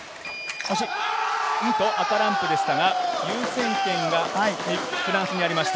赤ランプでしたが、優先権がフランスにありました。